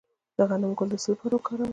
د غنم ګل د څه لپاره وکاروم؟